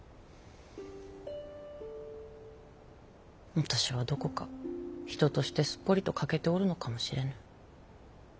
私はどこか人としてすっぽりと欠けておるのかもしれぬ。